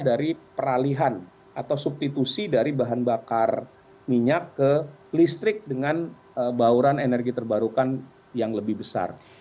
dari peralihan atau substitusi dari bahan bakar minyak ke listrik dengan bauran energi terbarukan yang lebih besar